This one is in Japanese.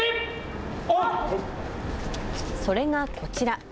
それがこちら。